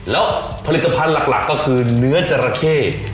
แล้วผลิตภัณฑ์หลักก็คือเนื้อจราเข้